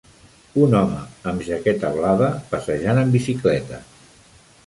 Un home amb jaqueta blava passejant en bicicleta